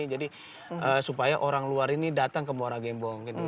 jadi supaya orang luar ini datang ke mora gembong gitu